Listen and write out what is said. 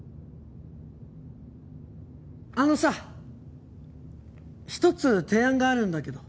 あのさ一つ提案があるんだけど。